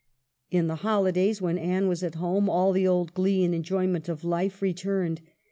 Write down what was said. In the holidays when Anne was at home all the old glee and enjoyment of life returned.